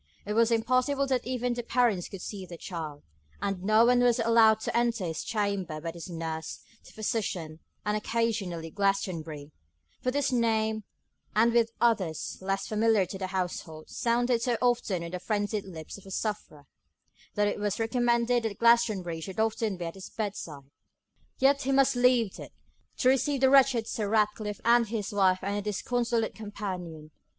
It was impossible that even the parents could see their child, and no one was allowed to enter his chamber but his nurse, the physician, and occasionally Glastonbury; for this name, with others less familiar to the household, sounded so often on the frenzied lips of the sufferer, that it was recommended that Glastonbury should often be at his bedside. Yet he must leave it, to receive the wretched Sir Ratcliffe and his wife and their disconsolate companion.